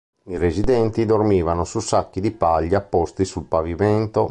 I residenti dormivano su sacchi di paglia posti sul pavimento.